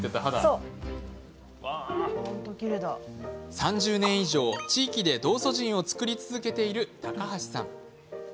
３０年以上、地域で道祖神を作り続けている高橋さん。